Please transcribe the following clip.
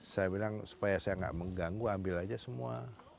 saya bilang supaya saya nggak mengganggu ambil aja semua